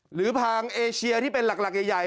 หรือทางเอเชียที่เป็นหลักใหญ่